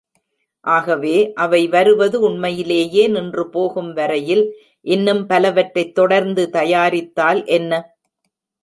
ஆகவே, அவை வருவது உண்மையிலேயே நின்றுபோகும்வரையில் இன்னும் பலவற்றைத் தொடர்ந்து தயாரித்தால் என்ன?